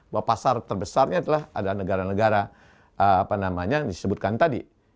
bahwa pasar terbesarnya adalah ada negara negara yang disebutkan tadi